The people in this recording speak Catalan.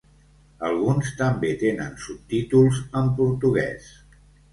Alguns també tenen subtítols en portuguès.